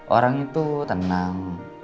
orang itu tenang